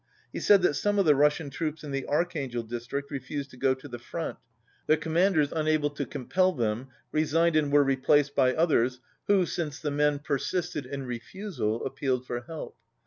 He said that some of the Russian troops in the Archangel district refused to go to the front. Their commanders, unable to compel them, re signed and were replaced by others who, since the men persisted in refusal, appealed for help.